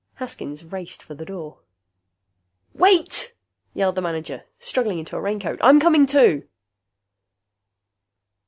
Haskins raced for the door. "Wait!" yelled the manager, struggling into a raincoat. "I'm coming, too."